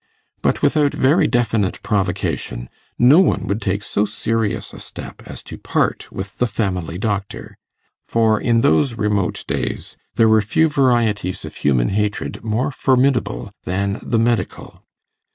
But without very definite provocation no one would take so serious a step as to part with the family doctor, for in those remote days there were few varieties of human hatred more formidable than the medical.